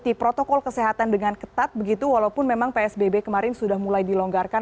tapi protokol kesehatan dengan ketat begitu walaupun memang psbb kemarin sudah mulai dilonggarkan